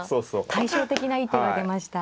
対照的な一手が出ました。